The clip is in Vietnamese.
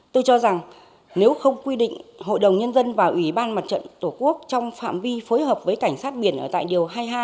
tôi cho rằng nếu không quy định hội đồng nhân dân và ủy ban mặt trận tổ quốc trong phạm vi phối hợp với cảnh sát biển ở tại điều hai mươi hai